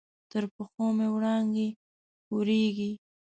تر پښو مې وړانګې اوریږې